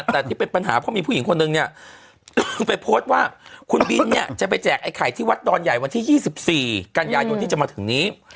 แต่ที่เป็นปัญหาเพราะมีผู้หญิงคนนึงเนี่ยไปโพสต์ว่าคุณบินเนี่ยจะไปแจกไอ้ไข่ที่วัดดอนใหญ่วันที่๒๔กันยายนที่จะมาถึงนี้